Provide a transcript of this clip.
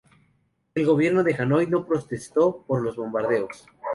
El gobierno de Hanoi no protestó por los bombardeos.